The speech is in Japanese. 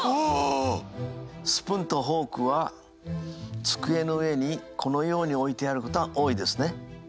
スプーンとフォークは机の上にこのように置いてあることが多いですね。